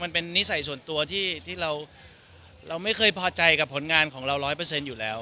นิสัยส่วนตัวที่เราไม่เคยพอใจกับผลงานของเรา๑๐๐อยู่แล้ว